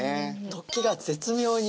突起が絶妙に。